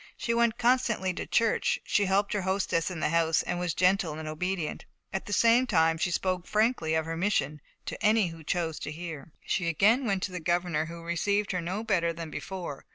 She went constantly to church, she helped her hostess in the house, and was gentle and obedient. At the same time, she spoke frankly of her mission to any who chose to hear. She again went to the governor, who received her no better than before.